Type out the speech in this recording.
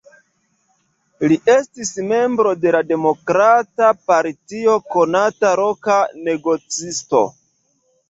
Li estis membro de la Demokrata Partio, konata loka negocisto.